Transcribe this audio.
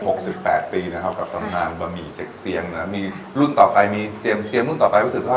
หกสิบแปดปีนะครับกับทำนานบะหมี่เจ็กเซียงนะมีรุ่นต่อไปมีเตรียมรุ่นต่อไปว่าสืบค่อย